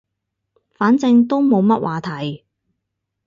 反正都冇乜話題